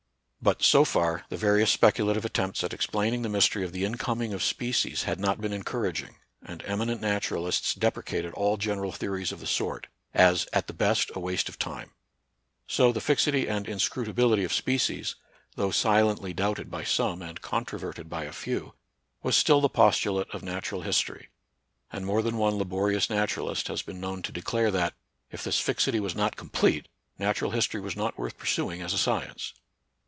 But, so far, the various specu lative attempts at explaining the mystery of the incoming of species had not been encouraging, and eminent naturalists deprecated all general theories of the sort, as at the best a waste of time. So the fixity and inscrutability of species — though silently doubted by some, and con NATURAL SCIENCE AND RELIGION. 39 troverted by a few — was still the postulate of natural history; and more than one laborious naturalist has been known to declare that, if this fixity was not complete, natural history was not worth pursuing as a science.